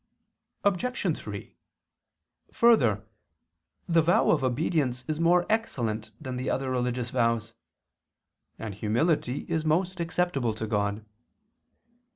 Obj. 3: Further, the vow of obedience is more excellent than the other religious vows; and humility is most acceptable to God.